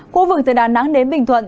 khu vực từ đà nẵng đến bình thuận